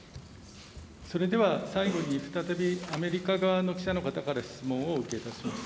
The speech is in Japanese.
それでは最後に、再びアメリカ側の記者の方から質問をお受けいたします。